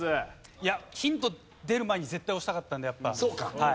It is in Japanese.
いやヒント出る前に絶対押したかったんでやっぱはい。